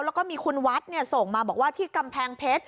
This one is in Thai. แล้วก็มีคุณวัดส่งมาบอกว่าที่กำแพงเพชร